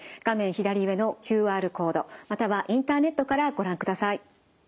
左上のＱＲコードまたはインターネットからご覧ください。